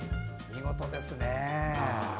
見事ですね。